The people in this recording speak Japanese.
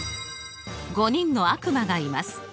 ５人の悪魔がいます。